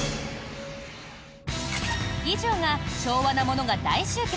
以上が、昭和なものが大集結！